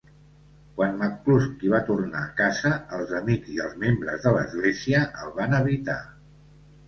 Quan McCluskey va tornar a casa, els amics i els membres de l'església el van evitar.